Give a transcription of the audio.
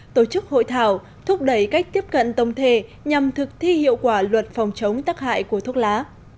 tổ chức hội thảo thúc đẩy cách tiếp cận tổng thể nhằm thực thi hiệu quả luật phòng chống tắc hại của thuốc lá